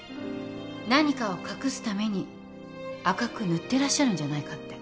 何かを隠すために赤く塗ってらっしゃるんじゃないかって。